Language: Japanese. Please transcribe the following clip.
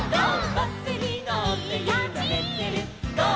「バスにのってゆられてるゴー！